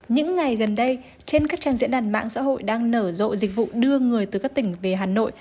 những ngày gần đây trên các trang diễn đàn mạng xã hội đang nở rộ dịch vụ đưa người từ các tỉnh về hà nội